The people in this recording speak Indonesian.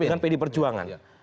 dengan pdi perjuangan